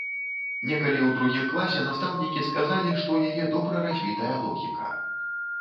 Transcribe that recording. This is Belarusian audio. Некалі ў другім класе настаўнікі сказалі, што ў яе добра развітая логіка.